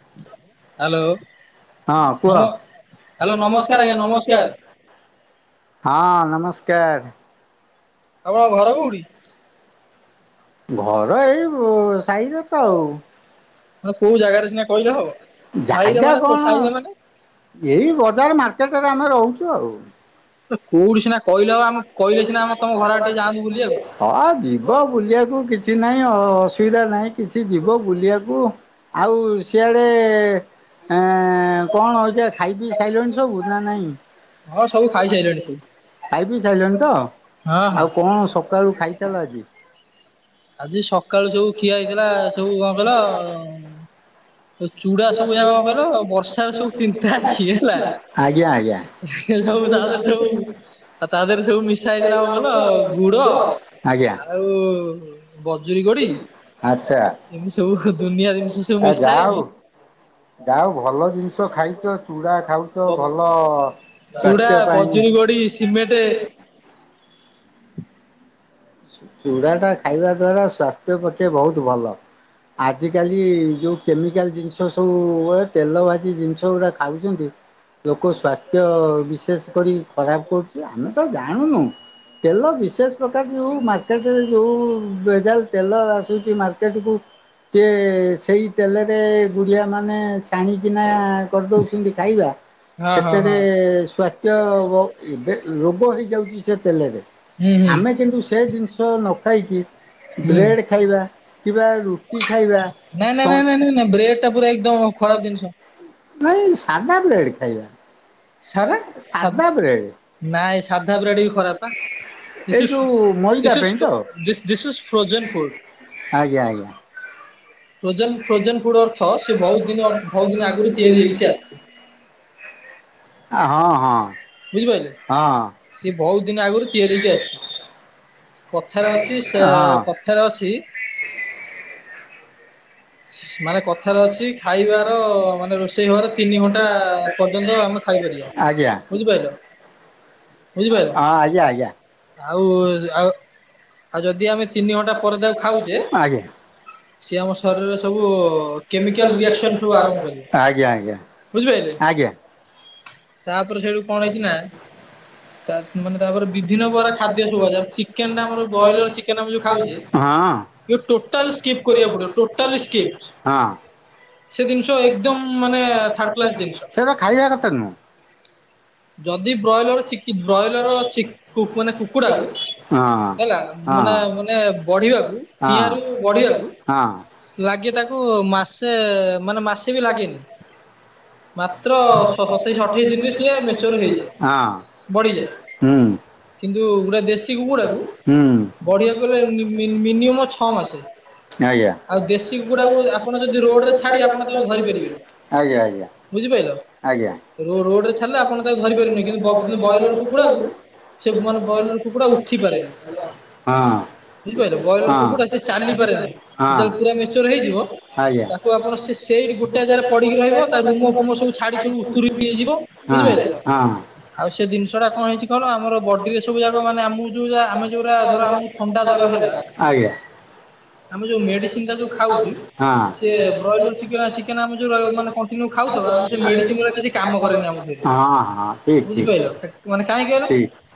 [inaudible] Hello hello ନମସ୍କାର ଆଜ୍ଞା ନମସ୍କାର। ହଁ ନମସ୍କାର। ତମ ଘର କୋଉଠି? ଘର ଏଇ ସାହିରେ ତ ଆଉ। ଜାଗା କଣ ଏଇ ବଜାର ମାର୍କେଟରେ ଆମେ ରହୁଛୁ ଆଉ। ହଁ ଯିବ ବୁଲିବାକୁ କିଛି କିଛି ନାହିଁ ଅସୁବିଧା ନାହିଁ, କିଛି ଯିବ ବୁଲିବାକୁ। ଆଉ ସିଆଡେ ଅ କଣ ଅଜା ଖାଇ ପିଇ ସାଇଲଣି ସବୁ, ନା ନାହିଁ? ଖାଇପି ସାରିଲଣି ତ, ଆଉ କଣ ସକାଳୁ ଖାଇଥିଲ ଆଜି? ଆଜି ସକାଳୁ ସବୁ ଖିଆ ହେଇଥିଲା ସବୁ କଣ କହିଲ ଚୁଡା ସବୁ ଯାକ କଣ କହିଲ, ବର୍ଷା ରେସବୁ ତିନ୍ତା ହେଇକି ହେଲା। ସବୁ ତା ଦେହରେ ସବୁ ଆଉ ତା ଦେହରେ ସବୁ ମିଶା ହେଇଥିଲା କଣ କହିଲ, ଗୁଡ ଆଉ ବଜୁରୀ ଗୋଡ଼ି, ଏମିତି ସବୁ ଦୁନିଆ ଜିନିଷ ସବୁ ମିଶା ହେଇକି ଯା ହଉ ଭଲ ଜିନିଷ ଖାଇଛ ଚୁଡା ଖାଉଛ ଭଲ ଚୁଡା, ବଜୁରି, ଗୋଡ଼ି, ସିମେଣ୍ଟ ଚୁଡ଼ା ଟା ଖାଇବା ଦ୍ଵାରା ସ୍ୱାସ୍ଥ୍ୟ ପକ୍ଷେ ବହୁତ ଭଲ। ଆଜି କାଲି ଯୋଉ କେମିକାଲ ଜିନିଷ ସବୁ ତେଲ ଭାଜି ଜିନିଷ ଗୁରା ଖାଉଛନ୍ତି ଲୋକ ସ୍ୱାସ୍ଥ୍ୟ ବିଶେଷ କରି ଖରାପ କରୁଛି, ଆମେ ତ ଜାଣୁନୁ। ତେଲ ବିଶେଷ ପ୍ରକାର ଯୋଉ ମାର୍କେଟ ଯୋଉ ଭେଜାଲ ତେଲ ଆସୁଛି ମାର୍କେଟକୁ ସେ ସେଇ ତେଲରେ ଗୁଡ଼ିଆ ମାନେ ଛାଣିକିନା କରିଦଉଛନ୍ତି ଖାଇବା। ସେଥିରେ ସ୍ୱାସ୍ଥ୍ୟ ବହୁତ, ଏବେ ରୋଗ ହେଇଯାଉଛି ସେ ତେଲରେ। ଆମେ କିନ୍ତୁ ସେ ଜିନିଷ ନ ଖାଇକି ବ୍ରେଡ ଖାଇବା। କିବା ରୁଟି ଖାଇବା, ସନ୍ ନାଇଁ ସାଧା ପ୍ଲେଟ ଖାଇବା। ସାଦା ବ୍ରେଡ। ଏଇ ଯୋଉ ମଇଦା ପାଇଁ ତ, ଆଜ୍ଞା ଆଜ୍ଞା। ଫ୍ରୋଜେନ ଫ୍ରୋଜେନ ଫୁଡ ଅର୍ଥ ସେ ବହୁ ଦି ବହୁତ ଦିନ ଆଗରୁ ତିଆରି ହେଇ ସେ ଆସିଛି। ହଁ ହଁ। ହଁ। ହଁ। ମାନେ କଥାରେ ଅଛି ଖାଇବାର ମାନେ ରୋଷେଇ ହବାର ତିନି ଘଣ୍ଟା ପର୍ଯ୍ୟନ୍ତ ଆମେ ଖାଇପାରିବା, ବୁଝିପାରିଲ? ବୁଝିପାରିଲ, ଆଉ ଆଉ ଆଜ୍ଞା। ଆଜ୍ଞା ଆଜ୍ଞା। ଆଜ୍ଞା। ତାପରେ ସେଇଠୁ କଣ ହେଇଛି ନା ତା ମାନେ ତାପରେ ବିଭିନ୍ନ ପ୍ରକାର ଖାଦ୍ୟ ସବୁ ଅଛି, ଚିକେନ ଟା ଆମର ଚିକେନ୍ ଆମେ ଯୋଉ ଖାଉଚେ, ତାକୁ ଟୋଟାଲ ସ୍କିପ୍ କରିବାକୁ ପଡିବ ଟୋ ହଁ। ସେରା ଖାଇବା କଥା ନୁହଁ। ହଁ। ହଁ ହଁ ହଁ। ଲାଗେ ତାକୁ ମାସେ ମାନେ ମାସେ ବି ଲାଗେନି। ମାତ୍ର ସ-ସତେଇଶ ଅଠେଇଶ ଦିନରେ ସିଏ ମେଚୁଅର ହେଇଯାଏ, ବଢିଯାଏ। କିନ୍ତୁ ଗୁଟେ ଦେଶୀ କୁକୁଡାକୁ ବଢିଆ କୁ ହେଲେ ମି-ମି଼-ମିନିମମ ଛଅ ମାସେ। ଆଉ ଦେଶୀ କୁକୁଡାକୁ ଆପଣ ଯଦି ରୋଡ ରେ ଛାଡି ଆପଣ ତାକୁ ଧରି ପାରିବେନି। ବୁଝିପାରିଲ, ରୋ-ରୋଡ ରେ ଛାଡିଲେ ଆପଣ ତାକୁ ଧରି ପାରିବନି କିନ୍ତୁ ବ-ବ-ବ୍ରଏଲର୍ କୁକୁଡ଼ାକୁ ସେ ମାନେ ବଏଲର କୁକୁଡା ଉଠି ପାରେନି। ବୁଝିପାରିଲ ବ୍ରଏଲର କୁକୁଡ଼ା ସେ ଚାଲି ପାରେନି। ହେଇଯିବ ତାକୁ ଆପଣ ସେଇ ଗୋଟେ ଜାଗାରେ ପଡିକି ରହିବ ତା ରୁମ ଫୁମ ସବୁ ଛାଡି ତ ଯିବ ବୁଝିପାରିଲ? ଆଉ ସେ ଜିନିଷଟା କଣ ହେଇଛି କଣ ନା ଆମର ବଡି ଏସବୁ ଆମେ ଯୋଉ ଧର ଆମକୁ ଥଣ୍ଡା ଜର ହେଲା ଆମ ଯୋଉ ମେଡିସିନ ଯଉ ଖାଉଛୁ ସିଏ ବ୍ରଏଲର ଚିକେନ ଆମେ ଯଉ କଂଟିନୁୱେ ଖାଉଥିବା ଆମେ ସେଇ କିଛି କାମ କରେନି ଆମ ଦେହରେ ବୁଝିପାଇଲ ମାନେ କାହିଁକି କହିଲ?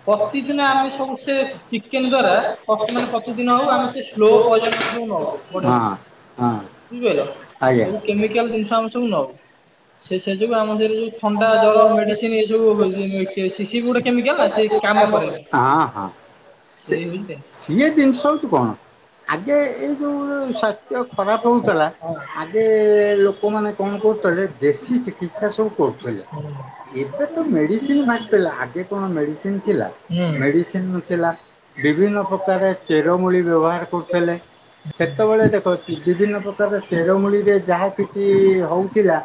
ପ୍ରତିଦିନ ଆମେ ସବୁ ସେ ଚିକେନ ମାନେ ପ୍ରତିଦିନ ହଉ ଆମେ ସେ ସ୍ଲୋ ପଇଜ ମାଂଷ ହ ନ ହଉ। ବୁଝିପାରିଲ ସବୁ କେମିକାଲ ଜିନିଷ ଆମେ ସବୁ ନହଉ। ସେ ସେ ଯୋଗୁ ଆମ ସେଇରେ ଯୋଉ ଥଣ୍ଡା ଜର ମେଡିସିନ ଏଇସବୁ ଗୋଟେ କେମିକାଲ ନା ହଁ ହଁ ସିଏ ଜିନିଷ ହଉଛି କଣ? ଆଗେ ଏଇ ଯୋଉ ସ୍ୱାସ୍ଥ୍ୟ ଖରାପ ହଉଥିଲା ଆଗେ ଲୋକମାନେ କଣ କରୁଥିଲେ ଦେଶୀ ଚିକିତ୍ସା ସବୁ କରୁଥିଲେ ଏବେ ତ ମେଡିସିନ ଆଗେ କଣ ମେଡ଼ିସିନ ମେଡ଼ିସିନ ଥିଲା ମେଡ଼ିସିନ ନ ଥିଲା। ବିଭିନ୍ନ ପ୍ରକାର ଚେରମୂଳି ବ୍ୟବହାର କରୁଥିଲେ। ସେତେବେଳେ ଦେଖ ବିଭିନ୍ନ ପ୍ରକାର ଚେରମୂଳିରେ ଯାହା କିଛି ହଉଥିଲା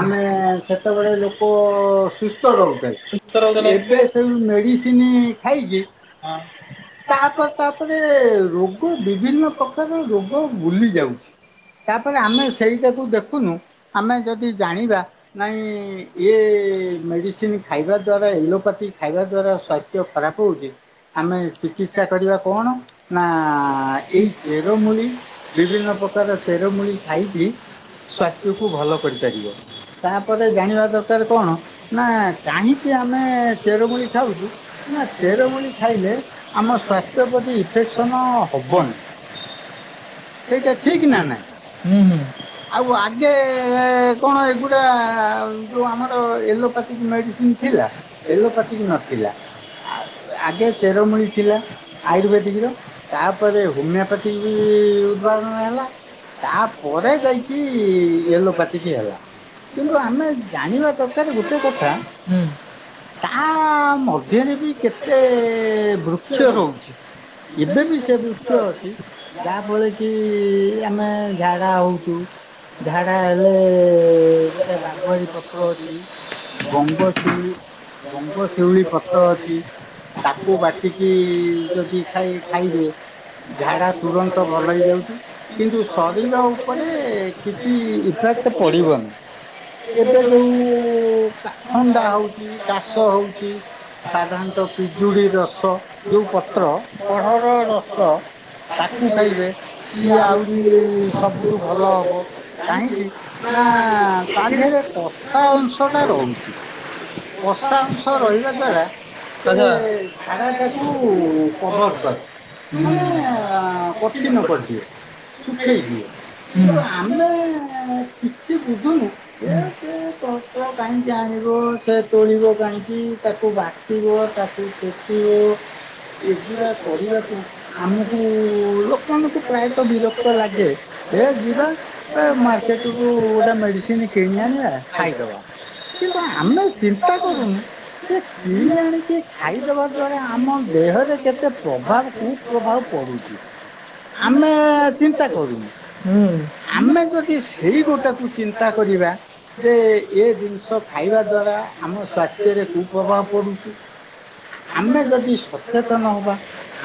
ଆମେ ସେତେବେଳେ ଲୋକ ସୁସ୍ଥ ରହୁଥିଲେ। ଏବେ ସବୁ ମେଡିସିନ ଖାଇକି ତାପରେ ତାପରେ ରୋଗ ରୋଗ ବିଭିନ୍ନ ପ୍ରକାର ରୋଗ ବୁଲି ଯାଉଛି। ତାପରେ ଆମେ ସେଇଟାକୁ ଦେଖୁନୁ ଆମେ ଯଦି ଜାଣିବା ନାଇଁ ଏ ମେଡିସିନ ଖାଇବା ଦ୍ଵାରା ଏଲୋପାଥି ଖାଇବା ଦ୍ଵାରା ସ୍ୱାସ୍ଥ୍ୟ ଖରାପ ହଉଛି। ଆମେ ଚିକିତ୍ସା କରିବା କଣ ନା ଏଇ ଚେରମୂଳି ବିଭିନ୍ନ ପ୍ରକାର ଚେରମୂଳି ଖାଇକି ତାପରେ ଜାଣିବା ଦରକାର କଣ ନା କାହିଁକି ଆମେ ଚେରମୂଳି ଖାଉଛୁ? ନା ଚେରମୂଳି ଖାଇଲେ ଆମ ସ୍ୱାସ୍ଥ୍ୟ ପ୍ରତି ଇନଫେକ୍ସନ ହବନି। ସେଇଟା ଠିକ ନା ନାଇଁ? ଆଉ ଆଗେ କଣ ଏଗୁଡା ଯୋଉ ଆମର ଏଲୋପାଥିକ ମେଡିସିନ ଥିଲା ଏଲୋପାତିକ ନଥିଲା ଆଗେ ଚେରମୂଳି ଥିଲା। ଆୟୁର୍ବେଦିକ ର ତାପରେ ହୋମିଓପାତିକ ବି [inaudible] କିନ୍ତୁ ଆମେ ଜାଣିବା ଦରକାର ଗୋଟେ କଥା ତା ମଧ୍ୟରେ ବି କେତେ ବୃକ୍ଷ ରହୁଛି? ଏବେ ବି ସେ ବୃକ୍ଷ ଅଛି ଯାହା ଫଳରେ କି କି ଆମେ ଝାଡ଼ା ହଉଛୁ। ଝାଡା ହେଲେ ଗୋଟେ ବାଘୁଆରୀ ପତ୍ର ଅଛି। ଗଙ୍ଗଶିଉଳି ଗଙ୍ଗଶିଉଳି ପତ୍ର ଅଛି। ତାକୁ ବାଟିକି ଯଦି ଇ ଖାଇବେ ଝାଡା ତୁରନ୍ତ ଭଲ ହେଇ କିନ୍ତୁ ଶରୀର ଉପରେ କିଛି ଇଫେକ୍ଟ ପଡିବନି। ଏବେ ଯୋଉ ଥଣ୍ଡା ହଉଛି କାଶ ହଉଛି ସାଧାରଣତଃ ପିଜୁଳି ରସ ଯଉ ପତ୍ର କଢର ରସ ତାକୁ ଖାଇବେ। ଯେମିତି ସବୁଠୁ ଭଲ ହବ। କାହିଁକି ନା ତା ଦେହରେ କଷା ଅଂଶ ଟା ରହୁଛି। କଷା ଅଂଶ ରହିବା ଦ୍ଵାରା ସେ ଝାଡା ଟାକୁ କଭର କରେ। ମାନେ କଠିନ କରିଦିଏ ଶୁଖେଇ ଦିଏ। କିନ୍ତୁ ଆମେ କିଛି ବୁଝୁନୁ ଯେ ସେ ସେ ପତ୍ର କାହିଁକି ଆଣିବ ସେ ତୋଳିବ କାହିଁକି ତାକୁ ବାଟିବ ତାକୁ ଛେଚିବ ଆମେ ବି ପ୍ରାୟତଃ ବିରକ୍ତ ଲାଗେ। ଯେ ଯିବା ମାର୍କେଟ ରୁ ଗୋଟେ ମେଡିସିନ କିଣିବା ଖାଇଦବା। କିନ୍ତୁ ଆମେ ଚିନ୍ତା କରୁନୁ ଯେ କିଣି ଆଣିକି ଖାଇଦବା ଦ୍ଵାରା ଆମ ଦେହରେ କେତେ ପ୍ରଭାବ କୁପ୍ରଭାବ ପଡୁଛି। [inaudible] ଆମେ ଚିନ୍ତା କରୁନୁ। ଆମେ ଯଦି ସେଇ ଗୋଟାକୁ ଚିନ୍ତା କରିବା। ଯେ ଏ ଜିନିଷ ଖାଇବା ଦ୍ଵାରା ଆମ ସ୍ୱାସ୍ଥ୍ୟରେ କୁ ପ୍ରଭାବ ପଡୁଛି। ଆମେ ଯଦି ସଚେତନ ହବା,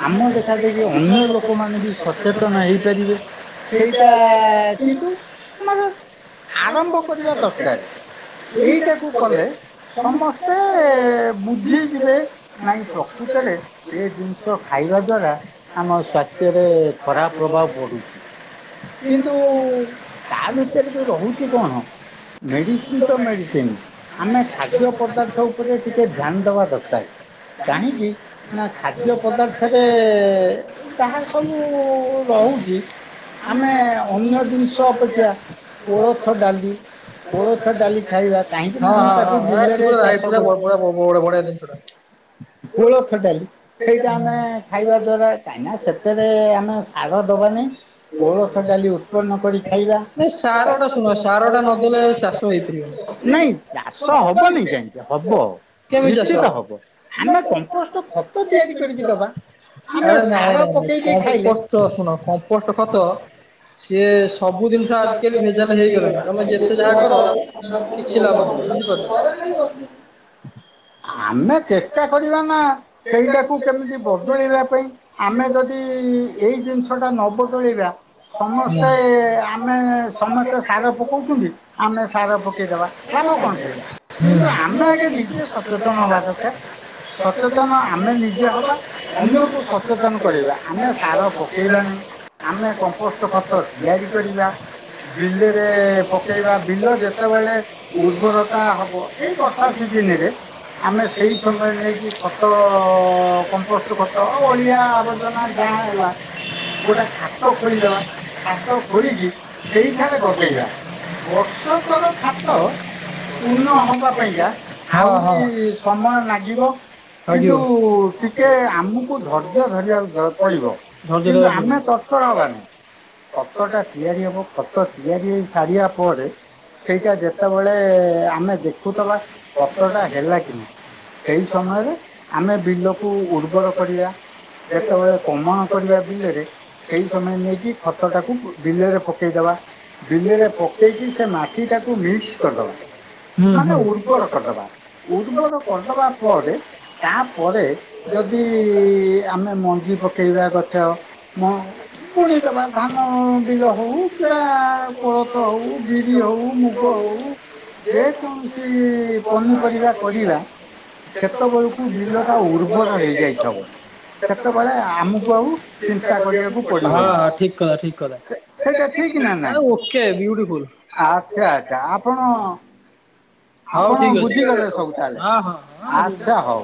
ଆମ ଦେଖା ଦେଖି ଅନ୍ୟ ଲୋକମାନେ ବି ସଚେତନ ହେଇପାରିବେ ସେଇଟା କିନ୍ତୁ ଆମର ଆରମ୍ଭ କରିବା ଦରକାର। ଏଇଟାକୁ କଲେ ସମସ୍ତେ ବୁଝିଯିବେ ନାଇଁ ପ୍ରକୃତରେ ଏ ଜିନିଷ ଖାଇ [unintelligible] ଦ୍ଵାରା ଆମ ସ୍ୱାସ୍ଥ୍ୟରେ ଖରାପ ପ୍ରଭାବ ପଡୁଛି। କିନ୍ତୁ ତା ଭିତରେ ବି ରହୁଛି କଣ। ମେଡ଼ିସିନ ତ ମେଡ଼ିସିନ ଆମେ ଖାଦ୍ୟ ପଦାର୍ଥ ଉପରେ ଟିକେ ଧ୍ୟାନ୍ ଦେବା ଦରକାରେ। କାହିଁକି ନା ଖାଦ୍ୟ ପଦାର୍ଥରେ ତାହା ସବୁ [unintelligible] ରହୁଚି। ଆମେ ଅନ୍ୟ ଜିନିଷ ଅପେକ୍ଷା କୋଳଥ ଡାଲି କୋଳଥ ଡାଲି ଖାଇବା କାହିଁକି ନା ଆମେ ତାକୁ ବିଲରେ ଚାଷ କରୁଚୁ। କୋଳଥ ସେଇଟା ଆମେ ଖାଇବା ଦ୍ୱାରା କାହିଁ ନା ସେଥେରେ ଆମେ ସାର ଦବା ନାଇଁ। କୋଳଥ ଡାଲି ଉତ୍ପନ କରିକି [unintelligible] ସାର ଟା ନଦେଲେ ଚାଷୀ ନେଇଯିବେ। ନାଇଁ ଚାଷୀ ସ ହବନି କାହିଁକି ହବ। ନିଶ୍ଚିତ ହବ। ଆମେ କମ୍ପୋଷ୍ଟ ଖତ ତିଆରି କରିକି ଦବା। ଆମେ ସାର ପକେଇ ଦେଇେ ଖାଇଲେ ସିଏ ସବୁ ଜିନିଷ ଆଜିକାଲି ଭେଜାଲ ହେଇଗଲାଣି। ତମେ ଯେତେ ଯାହା କର କିଛି ଲାଭ ନାହିଁ। ବୁଝିପାରୁଚି। ଆମେ ଚେଷ୍ଟା କରିବା ନା ସେଇଟାକୁ କେମିତି ବଦଳଇବା ପାଇଁ ଆମେ ଯଦି ଏ ଜିନିଷଟା ନ ବଦଲେଇବା ସମସ୍ତେ ଆମେ ସମସ୍ତେ ସାର ପକଉଛନ୍ତି, ଆମେ ସାର ପକେଇଦବା। ଲାଭ କଣ ପାଇବା। କିନ୍ତୁ ଆମେ ଆଗେ ନିଜେ ସଚେତନ ହବା ଦରକାର। ସଚେତନ ଆମେ ନିଜେ ହବା। ଅନ୍ୟକୁ ସଚେତନ କରଇବା ଆମେ ସାର ପକାଇବା ନାଇଁ, ଆମେ କମ୍ପୋଷ୍ଟ ଖତ ତିଆରି କରିବା। ବିଲରେ ପକେଇବା ବିଲ ଯେତେବେଳେ ଉର୍ବରତା ହବ ଏଇ ବର୍ଷା ସିଜ। [unintelligible] ଆମେ ସେଇ ସମୟରେ ନେଇକି ଖତ, କମ୍ପୋଷ୍ଟ ଖତ, ଅଳିଆ ଆବର୍ଜନା ଯାହା ହେଲା ଗୋଟେ ଖାତ ଖୋଳିଦବା, ଖାତ ଖୋଳିକି ସେଇଠାରେ ଗଦେଇବା। ବର୍ଷ କର ଖାତ ପୂର୍ଣ୍ଣ ହବା ପାଇଁକା ଆହୁରି ସମୟ ଲାଗିବ। କିନ୍ତୁ ଟିକେ ଆମୁକୁ ଧୈର୍ଯ୍ୟ ଧରିବାକୁ ଧ ପଡିବ କିନ୍ତୁ ଆମେ ତର୍ ତର୍ [inaudible] ହବାନି। ପତଟା ଏ ଥିଲେ ସିନା ସେଇଟା ସରିଲା ପରେ ସେଇଟା ଯେତେବେଳେ ଆମେ ଦେଖୁ କଷ୍ଟଟା ହେଲା କ ସେଇ ସମୟରେ ଆମେ ଦଗକୁ ଉର୍ବର କରିବା। କେମିତି ଗୋଟେ କମନ କରିବା ବିଲରେ ସେହି ସମୟ ନେଇକି ଖତ ଟାକୁ ବିଲରେ ପକେଇଦବା ବିଲରେ ପକେଇକି ସେ ମାଟି ଟାକୁ ମିକ୍ସ କରିଦବା ମାନେ ଉର୍ବର କରିଦବା ଉର୍ବର କରିଦବା ପରେ ତାପରେ ଯଦି ଆମେ ମଞ୍ଜି ପକ ପ ପେଇବା ଗଛ ମୁଁ ପୁଣି କବା ଧାନ ବିଲ ହଉ କିବା କୋଳଥ ହଉ ବିରି ହଉ ମୁଗ ହଉ ଯେକୌଣସି ପନିପରିବା କରିବା ସେତେବେଳକୁ ବିଲ ଟା ଉର୍ବର ହେଇଯାଇଥିବ ସେତେବେଳେ ଆମକୁ ଆଉ ଚିନ୍ତା କରିବାକୁ ପଡ଼ିବନି ସେଟା ଠିକ ନା ନହିଁ। ଆଚ୍ଛା ଆଚ୍ଛା ଆପଣ ହଉ ଠିକ ଅଛି ହଁ ହଁ ହଁ।